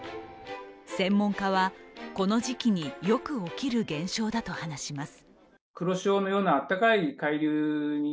専門家は、この時期によく起きる現象だと話します。